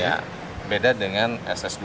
ya beda dengan ss dua